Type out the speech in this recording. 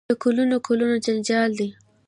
د کلونو کلونو جنجال دی.